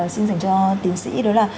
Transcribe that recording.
xin dành cho tiến sĩ đó là